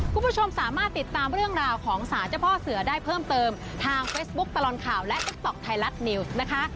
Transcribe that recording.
คุณผู้ชมสามารถติดตามเรื่องราวของสารเจ้าพ่อเสือได้เพิ่มเติมทางเฟซบุ๊คตลอดข่าวและติ๊กต๊อกไทยรัฐนิวส์นะคะ